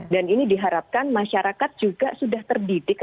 dan ini diharapkan masyarakat juga sudah terdidik